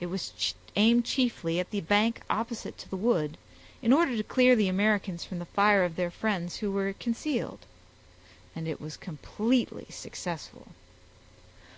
It was aimed chiefly at the bank opposite to the wood, in order to clear the Americans from the fire of their friends who were concealed; and it was completely successful.